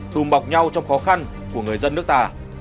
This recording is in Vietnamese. sự khó khăn của người dân nước ta